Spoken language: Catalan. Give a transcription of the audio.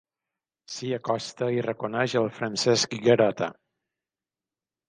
S'hi acosta i reconeix el Francesc Garota.